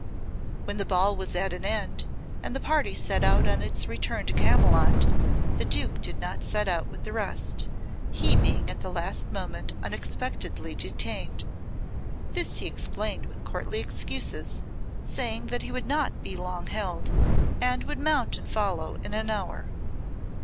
When the ball was at an end, and the party set out on its return to Camylott, the Duke did not set out with the rest, he being at the last moment unexpectedly detained. This he explained with courtly excuses, saying that he would not be long held, and would mount and follow in an hour.